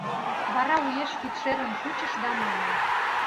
Вара уэш кидшерым кучыш да мане: